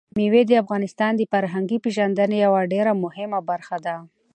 مېوې د افغانانو د فرهنګي پیژندنې یوه ډېره مهمه برخه ده.